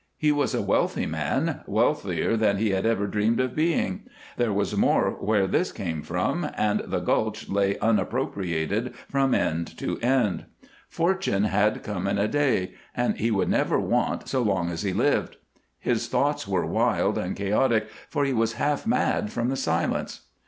He was a wealthy man, wealthier than he had ever dreamed of being there was more where this came from and the gulch lay unappropriated from end to end. Fortune had come in a day, and he would never want so long as he lived. His thoughts were wild and chaotic, for he was half mad from the silence.